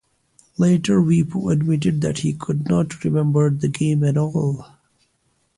Later Weepu admitted that he could not remember the game at all.